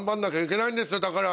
だから！